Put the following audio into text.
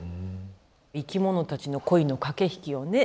生きものたちの恋の駆け引きをね